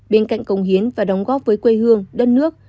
bên cạnh cống hiến và đóng góp với quê hương đất nước